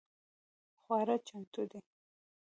خواړه چمتو دي؟